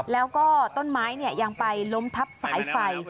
แล้วก็ต้นไม้ยังไปล้มทับสายไฟ